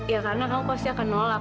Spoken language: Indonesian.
ya karena kamu pasti akan nolak